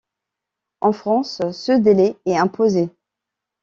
En France, ce délai est imposé.